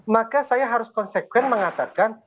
maka saya harus konsekuen mengatakan